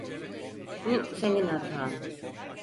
Bu senin hatan.